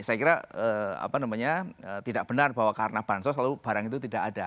saya kira tidak benar bahwa karena bansos lalu barang itu tidak ada